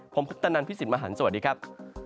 ผมพุทธนันพี่สิทธิ์มหันฯสวัสดีครับ